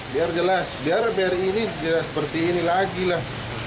biar jelas biar bri ini tidak seperti ini lagi lah